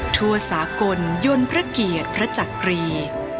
ทั่วสากลยนต์พระเกียรติพระจักรี